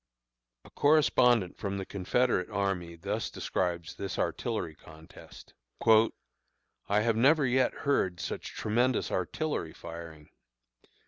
A correspondent from the Confederate army thus describes this artillery contest: "I have never yet heard such tremendous artillery firing.